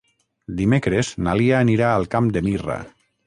Dimecres na Lia anirà al Camp de Mirra.